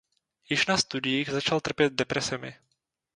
Již na studiích začal trpět depresemi.